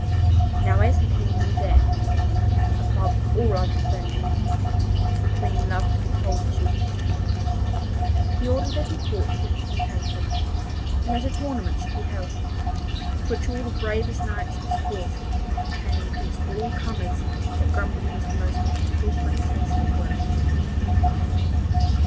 Now as the King knew that, above all other things, the Queen loved to be told that she was beautiful, he ordered that her portrait should be painted, and that a tournament should be held, at which all the bravest knights of his court should maintain against all comers that Grumbly was the most beautiful princess in the world.